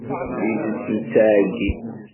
Tidet tettɛeggin.